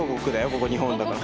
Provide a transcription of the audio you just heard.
ここ日本だから。